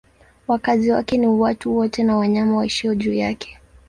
Wakazi wake ni watu wote na wanyama waishio juu yake.